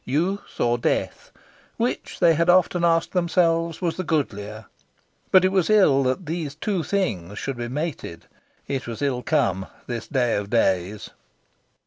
Youth or death which, they had often asked themselves, was the goodlier? But it was ill that these two things should be mated. It was ill come, this day of days.